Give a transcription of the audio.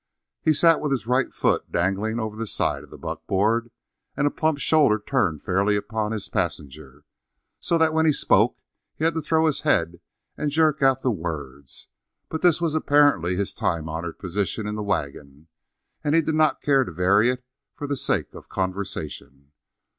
He sat with his right foot dangling over the side of the buckboard, and a plump shoulder turned fairly upon his passenger so that when he spoke he had to throw his head and jerk out the words; but this was apparently his time honored position in the wagon, and he did not care to vary it for the sake of conversation.